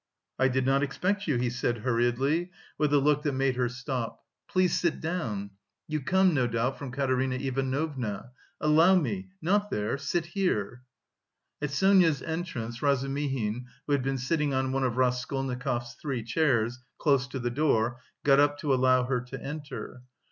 "I did not expect you," he said, hurriedly, with a look that made her stop. "Please sit down. You come, no doubt, from Katerina Ivanovna. Allow me not there. Sit here...." At Sonia's entrance, Razumihin, who had been sitting on one of Raskolnikov's three chairs, close to the door, got up to allow her to enter.